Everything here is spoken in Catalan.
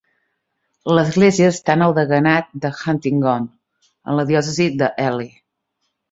L'Església està en el deganat de Huntingdon en la diòcesi de Ely.